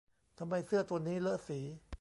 ทำไมเสื้อตัวนี้เลอะสี